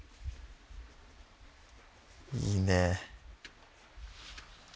いいねえ。